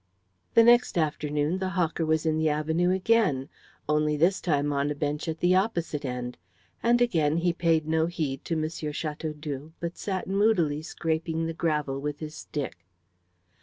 The next afternoon the hawker was in the avenue again, only this time on a bench at the opposite end; and again he paid no heed to M. Chateaudoux, but sat moodily scraping the gravel with his stick.